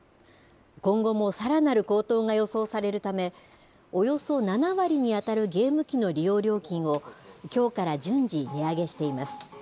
今後もさらなる高騰が予想されるため、およそ７割に当たるゲーム機の利用料金を、きょうから順次、値上げしています。